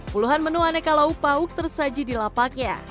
puluhan menu aneka lauk pauk tersaji di lapaknya